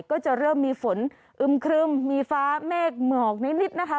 ก็จะเริ่มมีฝนอึมครึมมีฟ้าเมฆหมอกนิดนะคะ